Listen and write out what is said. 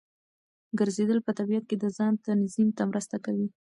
ګرځېدل په طبیعت کې د ځان تنظیم ته مرسته کوي.